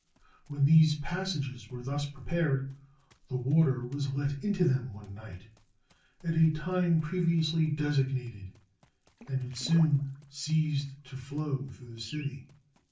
When these passages were thus prepared, the water was let into them one night, at a time previously designated, and it soon ceased to flow through the city.